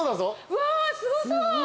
うわすごそう。